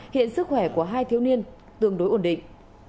hiện sức khỏe của hai thiếu niên tương đối ổn định